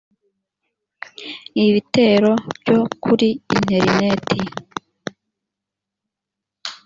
ibitero byo kuri interineti